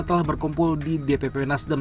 telah berkumpul di dpp nasdem